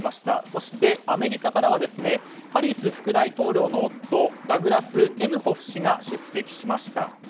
そして、アメリカからはハリス副大統領の夫ダグラス・エムホフ氏が出席しました。